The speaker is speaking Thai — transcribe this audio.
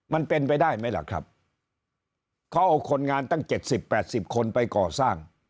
มันเป็นไปได้ไหมล่ะครับเขาเอาคนงานตั้ง๗๐๘๐คนไปก่อสร้าง